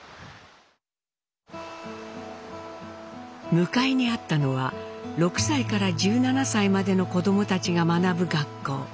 向かいにあったのは６歳から１７歳までの子どもたちが学ぶ学校。